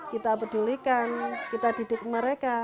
kita pedulikan kita didik mereka